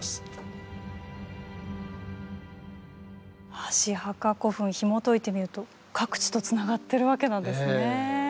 箸墓古墳ひもといてみると各地とつながってるわけなんですね。